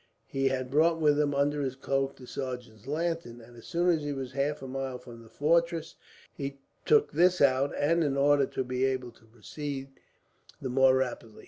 He had brought with him under his cloak the sergeant's lantern and, as soon as he was half a mile from the fortress, he took this out in order to be able to proceed the more rapidly.